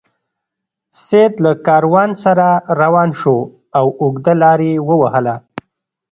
سید له کاروان سره روان شو او اوږده لار یې ووهله.